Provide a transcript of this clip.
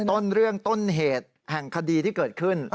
ต้นเรื่องต้นเหตุแห่งคดีที่เกิดขึ้น